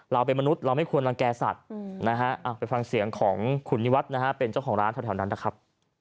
เราเป็นมนุษย์เราไม่ควรรังแก่สัตว์นะฮะไปฟังเสียงของคุณนิวัฒน์นะฮะเป็นเจ้าของร้านแถวนั้นนะครับ